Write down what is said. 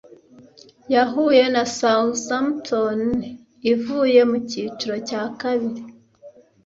yahuye na Southmpton ivuye mu cyiciro cya kabiri